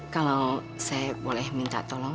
kalau saya boleh minta tolong